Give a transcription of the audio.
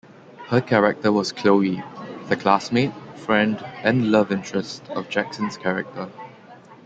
Her character was Chloe, the classmate, friend and love interest of Jackson's character.